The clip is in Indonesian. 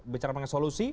bicara tentang solusi